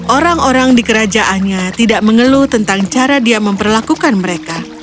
orang orang di kerajaannya tidak mengeluh tentang cara dia memperlakukan mereka